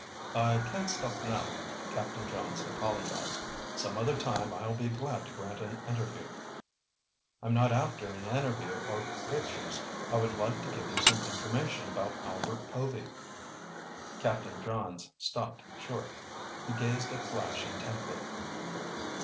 "I can't stop now," Captain Johns apologized. "Some other time I'll be glad to grant an interview." "I'm not after an interview or pictures. I would like to give you some information about Albert Povy." Captain Johns stopped short. He gazed at Flash intently.